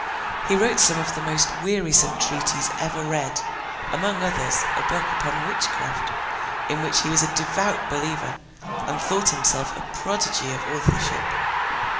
He wrote some of the most wearisome treatises ever read—among others, a book upon witchcraft, in which he was a devout believer—and thought himself a prodigy of authorship.